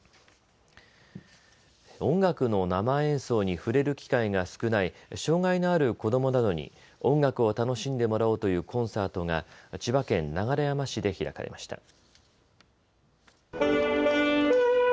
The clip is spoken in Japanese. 音楽の生演奏に触れる機会が少ない障害のある子どもなどに音楽を楽しんでもらおうというコンサートが千葉県流山市で開かれました。